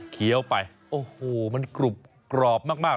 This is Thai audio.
เคี้ยวไปโอ้โหมันกรุบกรอบมาก